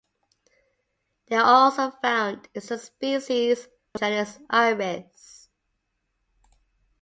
They are also found in some species of the genus "Iris".